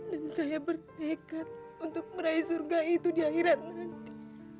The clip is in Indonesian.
dan saya berdekat untuk meraih surga itu di akhirat nanti